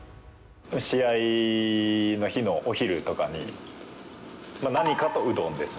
試合の日のお昼とかに、何かとうどんです。